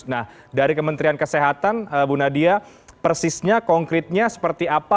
nah dari kementerian kesehatan bu nadia persisnya konkretnya seperti apa